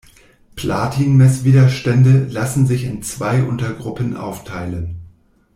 Platin-Messwiderstände lassen sich in zwei Untergruppen aufteilen.